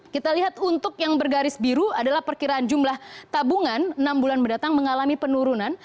kita lihat untuk yang bergaris biru adalah perkiraan jumlah tabungan enam bulan mendatang mengalami penurunan